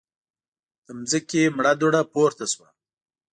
له ځمکې مړه دوړه پورته شوه.